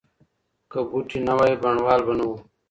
که بوټي نه وای بڼوال به نه و.